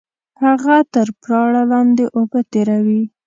هغه تر پراړه لاندې اوبه تېروي